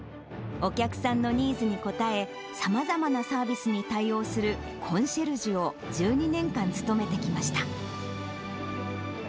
お客さんのニーズに応え、さまざまなサービスに対応するコンシェルジュを、１２年間務めてきました。